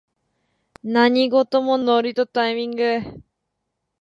何事もノリとタイミング